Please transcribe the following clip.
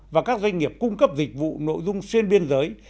và các doanh nghiệp cung cấp dịch vụ nội dung xuyên biên giới